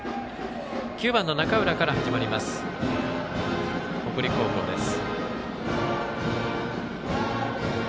９番、中浦から始まります北陸高校です。